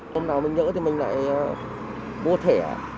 hôm nào mình nhỡ thì mình lại mua thẻ